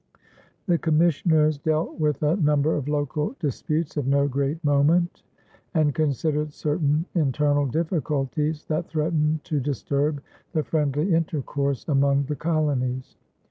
The commissioners dealt with a number of local disputes of no great moment and considered certain internal difficulties that threatened to disturb the friendly intercourse among the colonies.